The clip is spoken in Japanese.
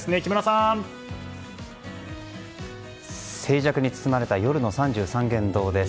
静寂に包まれた夜の三十三間堂です。